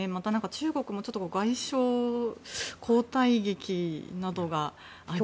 中国も外相交代劇などがあり。